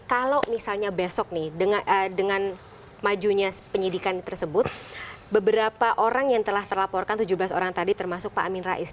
kalau misalnya besok nih dengan majunya penyidikan tersebut beberapa orang yang telah terlaporkan tujuh belas orang tadi termasuk pak amin rais